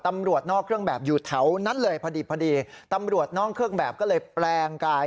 ตำรวจนอกเครื่องแบบอยู่แถวนั้นเลยพอดีพอดีตำรวจนอกเครื่องแบบก็เลยแปลงกาย